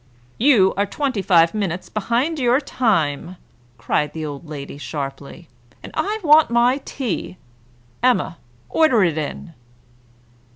"You are twenty five minutes behind your time," cried the old lady sharply, "and I want my tea. Emma, order it in."